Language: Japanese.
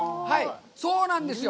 そうなんですよ！